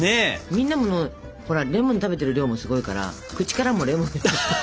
みんなもほらレモン食べてる量もすごいから口からもレモンの香りが。